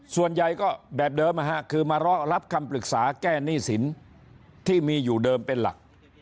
ส่วนใหญ่ก็แบบเดิมคือมารอรับคำปรึกษาแก้หนี้สินที่มีอยู่เดิมเป็นหลัก